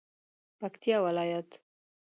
پکتیا ولایت